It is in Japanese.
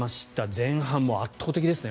前半、もう圧倒的ですね。